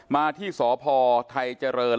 มาที่สพไทยเจริญ